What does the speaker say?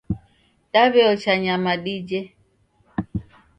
Daw'eocha nyama dije.